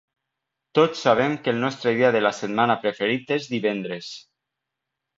Tots sabem que el nostre dia de la setmana preferit és divendres.